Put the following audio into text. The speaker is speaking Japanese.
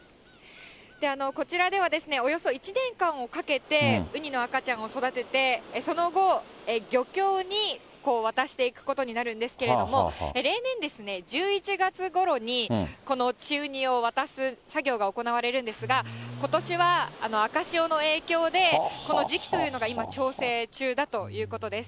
こちらでは、およそ１年間をかけて、ウニの赤ちゃんを育てて、その後、漁協に渡していくことになるんですけれども、例年、１１月ごろにこの稚ウニを渡す作業が行われるんですが、ことしは赤潮の影響でこの時期というのが今、調整中だということです。